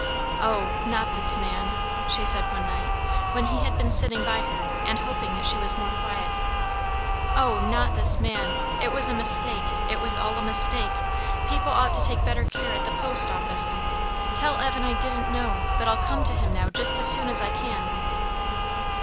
"O, not this man!" she said one night, when he had been sitting by her and hoping that she was more quiet. "O, not this man! It was a mistake. It was all a mistake. People ought to take better care at the post office. Tell Evan I didn't know; but I'll come to him now just as soon as I can."